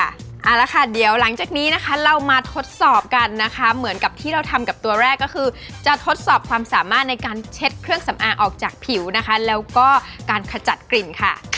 เอาละค่ะเดี๋ยวหลังจากนี้นะคะเรามาทดสอบกันนะคะเหมือนกับที่เราทำกับตัวแรกก็คือจะทดสอบความสามารถในการเช็ดเครื่องสำอางออกจากผิวนะคะแล้วก็การขจัดกลิ่นค่ะ